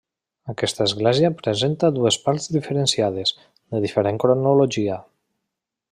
Aquesta església presenta dues parts diferenciades, de diferent cronologia.